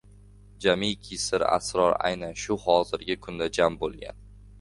Jamiki sir-asror aynan shu hozirgi kunda jam bo‘lgan.